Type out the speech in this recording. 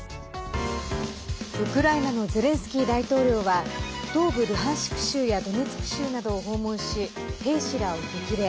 ウクライナのゼレンスキー大統領は東部ルハンシク州やドネツク州などを訪問し兵士らを激励。